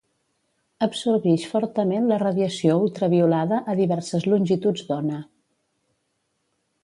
Absorbix fortament la radiació ultraviolada a diverses longituds d'ona.